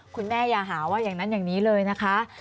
อย่าหาว่าอย่างนั้นอย่างนี้เลยนะคะ